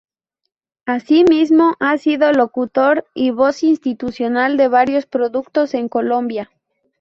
Asimismo, ha sido locutor y voz institucional de varios productos en Colombia.